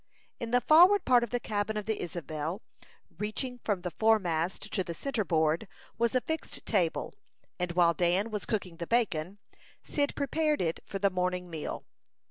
In the forward part of the cabin of the Isabel, reaching from the foremast to the centre board, was a fixed table; and while Dan was cooking the bacon, Cyd prepared it for the morning meal.